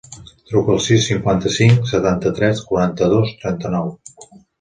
Truca al sis, cinquanta-cinc, setanta-tres, quaranta-dos, trenta-nou.